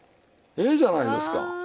ええじゃないですか！